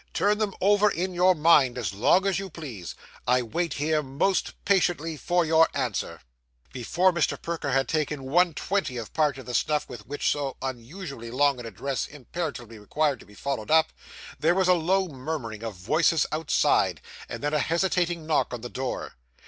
Turn them over in your mind as long as you please. I wait here most patiently for your answer.' Before Mr. Pickwick could reply, before Mr. Perker had taken one twentieth part of the snuff with which so unusually long an address imperatively required to be followed up, there was a low murmuring of voices outside, and then a hesitating knock at the door.